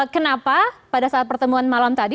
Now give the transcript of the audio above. kenapa pada saat pertemuan malam tadi